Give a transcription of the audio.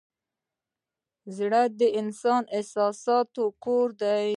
زړه د انسان د احساساتو کور دی.